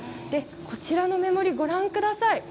こちらの目盛りご覧ください。